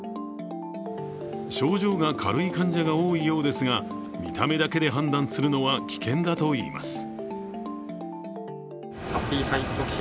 症状が軽い患者が多いようですが見た目だけで判断するのは危険だといいます。